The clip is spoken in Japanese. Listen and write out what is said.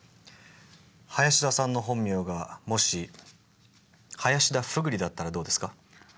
林田さんの本名がもし林田ふぐりだったらどうですか？